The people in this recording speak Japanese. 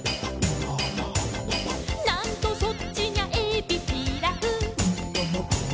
「なんとそっちにゃえびピラフ」